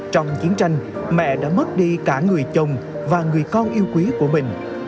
trong chiến tranh mẹ đã mất đi cả người chồng và người con yêu quý của mình